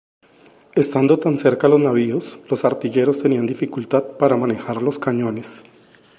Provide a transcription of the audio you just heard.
Estando tan cerca los navíos, los artilleros tenían dificultad para manejar los cañones.